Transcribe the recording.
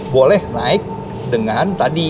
boleh naik dengan tadi